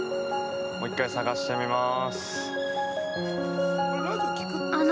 もう一回探してみます。